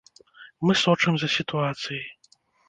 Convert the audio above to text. Мы сочым за сітуацыяй.